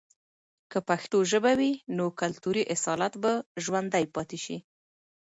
که پښتو ژبه وي، نو کلتوري اصالت به ژوندي پاتې سي.